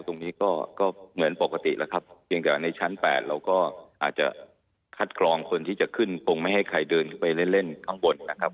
ตรงนี้ก็เหมือนปกติแล้วครับเพียงแต่ในชั้น๘เราก็อาจจะคัดกรองคนที่จะขึ้นตรงไม่ให้ใครเดินขึ้นไปเล่นข้างบนนะครับ